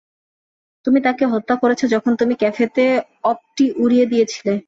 তুমি তাকে হত্যা করেছ যখন তুমি ক্যাফেতে অপটি উড়িয়ে দিয়েছিলে।